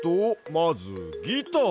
まず「ギター」。